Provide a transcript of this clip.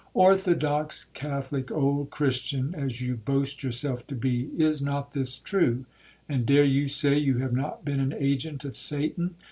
Orthodox Catholic—old Christian—as you boast yourself to be,—is not this true?—and dare you say you have not been an agent of Satan?